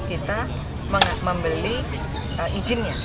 kita membeli izinnya